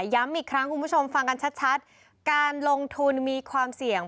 ย้ำอีกครั้งคุณผู้ชมฟังกันชัดการลงทุนมีความเสี่ยง